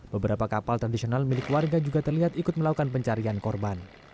beberapa kapal tradisional milik warga juga terlihat ikut melakukan pencarian korban